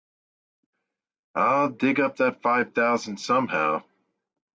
I'll dig up that five thousand somehow.